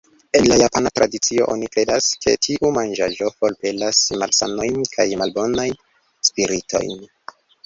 En la japana tradicio oni kredas, ke tiu manĝaĵo forpelas malsanojn kaj malbonajn spiritojn.